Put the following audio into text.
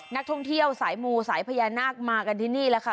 นักท่องเที่ยวสายมูสายพญานาคมากันที่นี่แหละค่ะ